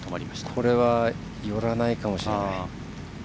これは寄らないかもしれない。